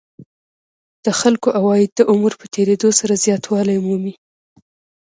د خلکو عواید د عمر په تېرېدو سره زیاتوالی مومي